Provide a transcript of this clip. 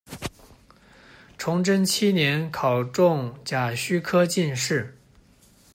崇祯七年考中甲戌科进士。